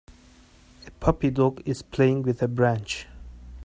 A puppy dog is playing with a branch.